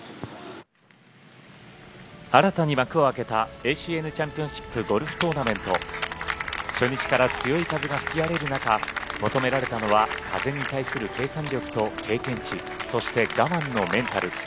新たに幕を開けたＡＣＮチャンピオンシップゴルフトーナメント初日から強い風が吹き荒れる中求められたのは風に対する計算力と経験値そして我慢のメンタル。